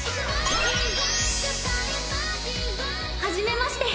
はじめまして。